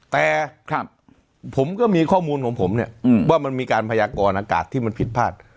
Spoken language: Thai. แต่ผมก็มีข้อมูลของผมเนี่ยว่ามันมีการพยากรอากาศที่มันผิดพลาด